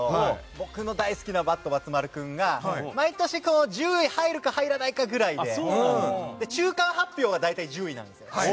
僕の大好きなバッドばつ丸君が毎年１０位に入るか入らないかぐらいで中間発表は大体１０位なんですよ。